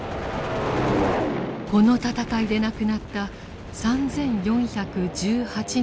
この戦いで亡くなった３４１８人の調査です。